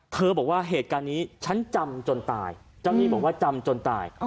บอกว่าเหตุการณ์นี้ฉันจำจนตายเจ้าหนี้บอกว่าจำจนตาย